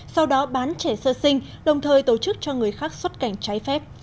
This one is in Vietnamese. sau đó bán trẻ sơ sinh đồng thời tổ chức cho người khác xuất cảnh trái phép